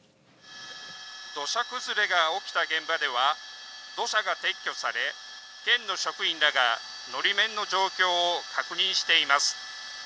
土砂崩れが起きた現場では、土砂が撤去され、県の職員らが、のり面の状況を確認しています。